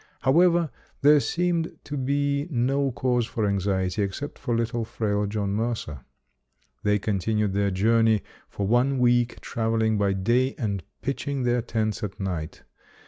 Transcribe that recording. However, there seemed to be no cause for anxiety except for little, frail John Mercer. They continued their journey for one week, traveling by day and pitching their tents at night.